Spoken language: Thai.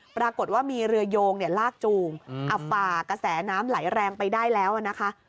ปรากฏว่ามีเรือยงเนี้ยลากจูงอับปากกระแสน้ำไหลแรงไปได้แล้วอ่ะนะคะ